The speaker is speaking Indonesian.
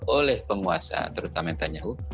oleh penguasa terutama yang tanya hukum